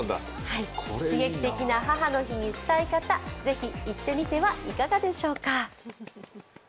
刺激的な母の日にしたい方、ぜひ行ってみてはいかがでしょうか。